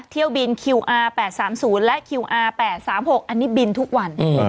เที่ยวบินคิวอาร์แปดสามศูนย์และคิวอาร์แปดสามหกอันนี้บินทุกวันอืม